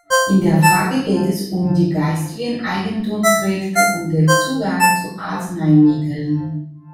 In der Frage geht es um die geistigen Eigentumsrechte und den Zugang zu Arzneimitteln.